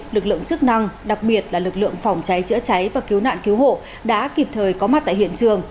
lực lượng chức năng đặc biệt là lực lượng phòng cháy chữa cháy và cứu nạn cứu hộ đã kịp thời có mặt tại hiện trường